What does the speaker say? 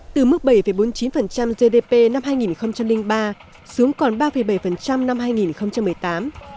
từ mức bảy bốn mươi chín gdp năm hai nghìn ba xuống còn ba bảy năm hai nghìn một mươi tám